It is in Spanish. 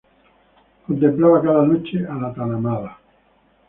El contemplaba cada noche a la tan amada.